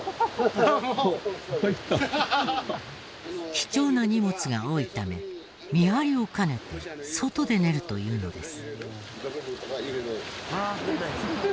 貴重な荷物が多いため見張りを兼ねて外で寝るというのです。